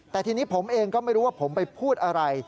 แต่ทีนี้ผมเองก็ไม่รู้ว่าผมไปพูดอะไร